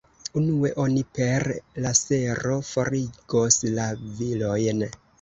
Unue oni per lasero forigos la vilojn.